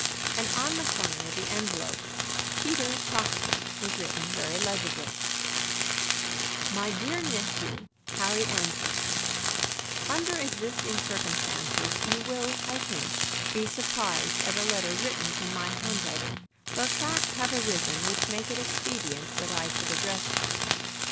And on the corner of the envelope "Peter Prosper" was written very legibly: "MY DEAR NEPHEW, HENRY ANNESLEY, "Under existing circumstances you will, I think, be surprised at a letter written in my handwriting; but facts have arisen which make it expedient that I should address you.